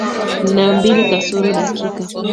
na mbili kasoro dakika